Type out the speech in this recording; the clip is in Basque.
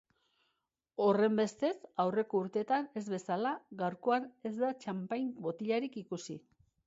Horrenbestez, aurreko urteetan ez bezala, gaurkoan ez da txanpain botilarik ikusi.